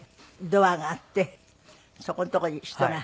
ドアがあってそこのとこに人が。